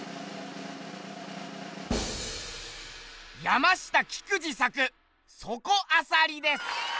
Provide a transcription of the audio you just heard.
山下菊二作「そこあさり」です。